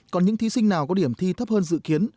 còn những thí sinh nào có điểm thi thấp hơn dự kiến